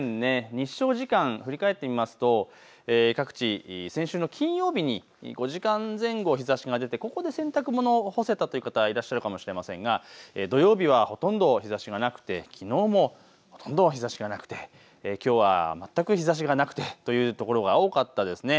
日照時間、振り返ってみますと各地、先週の金曜日に５時間前後日ざしが出てここで洗濯物干せたという方、いらっしゃるかもしれませんが土曜日はほとんど日ざしがなくてきのうもほとんど日ざしがなくてきょうは全く日ざしがなくてというところが多かったですね。